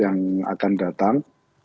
yang akan datang